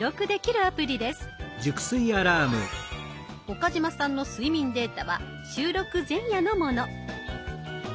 岡嶋さんの睡眠データは収録前夜のもの。